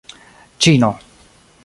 ĉino